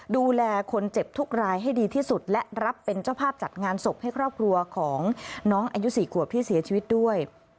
ดูแลคนเจ็บทุกรายให้ดีที่สุดและรับเป็นเจ้าภาพจัดงานศพให้ครอบครัวของน้องอายุ๔ขวบที่เสียชีวิตด้วย